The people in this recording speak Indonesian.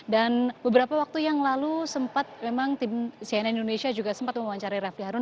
dan beberapa waktu yang lalu sempat memang tim cnn indonesia juga sempat memuancari refli harun